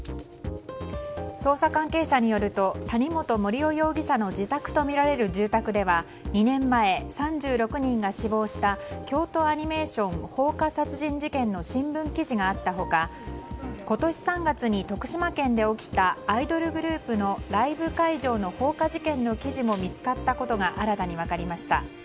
捜査関係者によると谷本盛雄容疑者の自宅とみられる住宅では２年前３６人が死亡した京都アニメーション放火殺人事件の新聞記事があった他今年３月に徳島県で起きたアイドルグループのライブ会場の放火事件の記事も見つかったことが新たに分かりました。